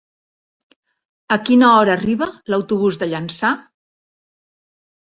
A quina hora arriba l'autobús de Llançà?